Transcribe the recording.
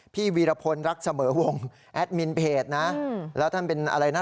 พี่วีรผลรักเสมาวงผู้ผู้จักรเทศนะอืมแล้วท่านเป็นอะไรนะ